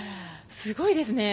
すごいですね。